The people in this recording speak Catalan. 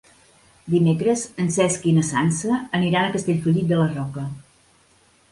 Dimecres en Cesc i na Sança aniran a Castellfollit de la Roca.